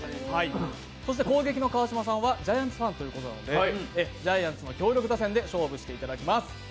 攻撃の川島さんはジャイアンツファンということでジャイアンツの強力打線で勝負していただきます。